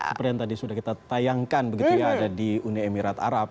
seperti yang tadi sudah kita tayangkan begitu ya ada di uni emirat arab